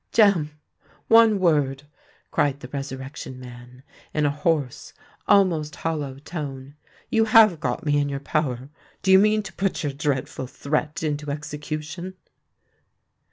"Jem, one word!" cried the Resurrection Man, in a hoarse—almost hollow tone. "You have got me in your power—do you mean to put your dreadful threat into execution?"